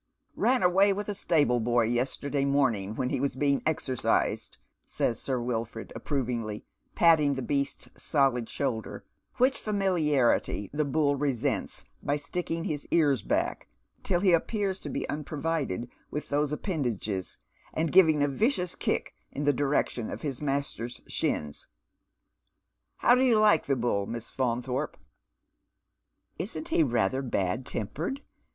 " Ran away with a stable boy yesterday morning when he was being exercised," says Sir Wilford, approvingly, patting the beast's solid shoulder, which familiarity the Bull resents by eticking his ears back till he appears to be unprovided with thoso appendages, and giving a vicious kick in the direction of hia master's shins. " How do you like the Bull, Miss Faunthorpe ?" "Isn't he ratlier bad tempered